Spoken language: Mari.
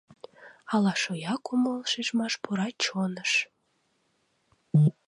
Ала шоя кумыл-шижмаш пура чоныш?